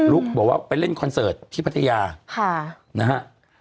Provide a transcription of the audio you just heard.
บอกว่าไปเล่นคอนเสิร์ตที่พัทยานะฮะ